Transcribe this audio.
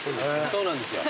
そうなんですよ。